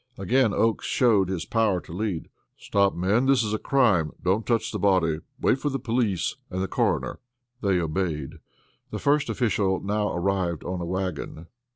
Again Oakes showed his power to lead. "Stop, men; this is a crime. Don't touch the body. Wait for the police and the coroner." They obeyed. The first official now arrived on a wagon.